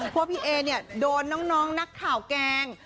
ว่าพี่เอเนี่ยโดนน้องนักข่าวแกล้ง